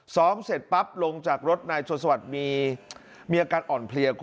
เสร็จปั๊บลงจากรถนายชนสวัสดิ์มีอาการอ่อนเพลีย